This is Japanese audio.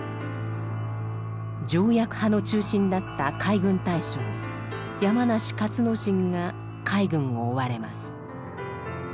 条約派の中心だった海軍大将山梨勝之進が海軍を追われます。